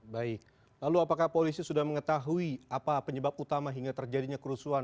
baik lalu apakah polisi sudah mengetahui apa penyebab utama hingga terjadinya kerusuhan